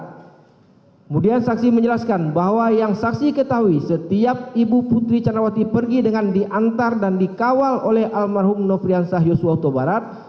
kemudian saksi menjelaskan bahwa yang saksi ketahui setiap ibu putri candrawati pergi dengan diantar dan dikawal oleh almarhum nofriansah yosua utabarat